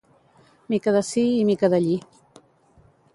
mica d'ací i mica d'allí